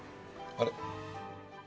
あれ？